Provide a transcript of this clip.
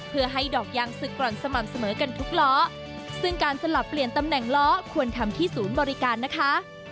เพื่อให้ดอกยางศึกกร่อนสม่ำเสมอกันทุกล้อซึ่งการสลับเปลี่ยนตำแหน่งล้อควรทำที่ศูนย์บริการนะคะ